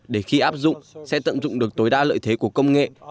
để khi áp dụng sẽ tận dụng được tối đa lợi thế của công nghệ